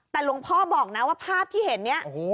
แต่หลวงพ่อบอกนะว่าภาพที่เห็นเนี่ย